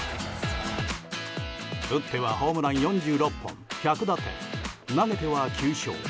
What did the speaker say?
打ってはホームラン４６本１００打点、投げては９勝。